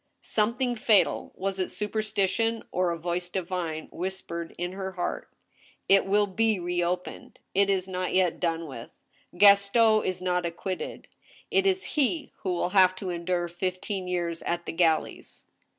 Something fatal — was it superstition or a voice divine ?— whis pered in her heart :" It will be reopened. It is not yet done with. Gaston is not acquitted. It is he who will have to endure fifteen years at the galleys